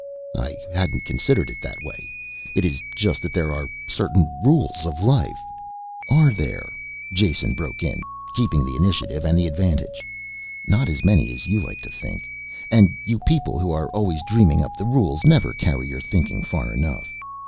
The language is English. "I hadn't considered it that way. It is just that there are certain rules of life...." "Are there?" Jason broke in, keeping the initiative and the advantage. "Not as many as you like to think. And you people who are always dreaming up the rules never carry your thinking far enough.